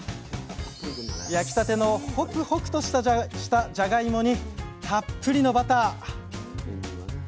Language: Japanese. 焼きたてのほくほくとしたじゃがいもにたっぷりのバター